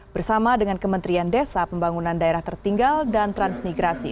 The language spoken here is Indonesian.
bersama dengan kementerian desa pembangunan daerah tertinggal dan transmigrasi